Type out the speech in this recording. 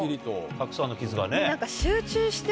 たくさんの傷がね。